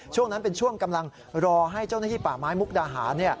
ช่วงนั้นเป็นช่วงกำลังรอให้เจ้าหน้าที่ป่าไม้มุกดาหาร